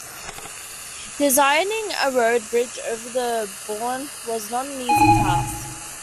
Designing a road bridge over the Boyne was not an easy task.